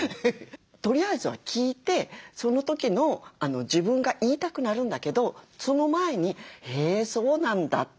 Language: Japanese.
とりあえずは聞いてその時の自分が言いたくなるんだけどその前に「へーそうなんだ」って。